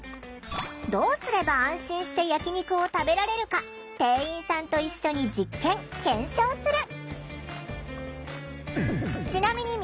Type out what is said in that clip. どうすれば安心して焼き肉を食べられるか店員さんと一緒に実験・検証する。